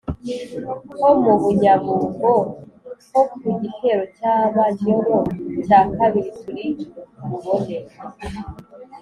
ho mu bunyabungo; ho ku gitero cy ‘abanyoro cya kabiri turibubone